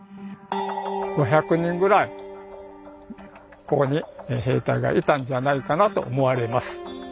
５００人ぐらいここに兵隊がいたんじゃないかなと思われます。